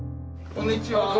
こんにちは。